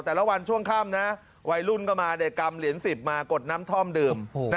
แต่ละวันช่วงค่ำนะวัยรุ่นก็มาเด็กกำเหรียญ๑๐มากดน้ำท่อมดื่ม